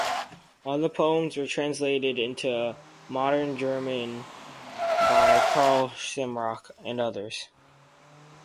All the poems were translated into modern German by Karl Simrock and others.